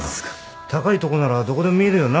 高いとこならどこでも見えるよな？